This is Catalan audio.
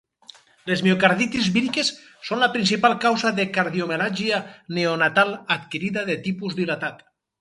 Les miocarditis víriques són la principal causa de cardiomegàlia neonatal adquirida de tipus dilatat.